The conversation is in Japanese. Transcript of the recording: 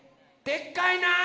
でっかいなあ！